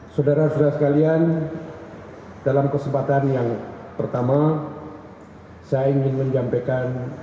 saudara saudara sekalian dalam kesempatan yang pertama saya ingin menyampaikan